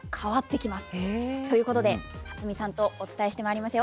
ということで辰巳さんとお伝えしてまいりますよ。